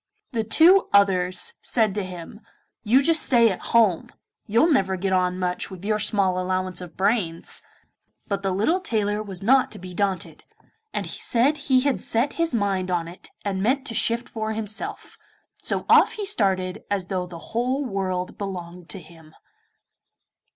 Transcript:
The two others said to him, 'You just stay at home, you'll never get on much with your small allowance of brains.' But the little tailor was not to be daunted, and said he had set his mind on it and meant to shift for himself, so off he started as though the whole world belonged to him.